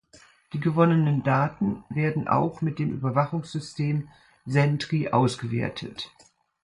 Die gewonnenen Daten werden auch mit dem Überwachungssystem Sentry ausgewertet.